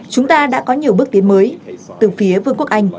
chúng ta đã có nhiều bước tiến mới từ phía vương quốc anh